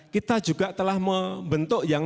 kita juga telah membentuk yang